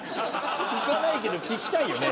行かないけど聞きたいよね。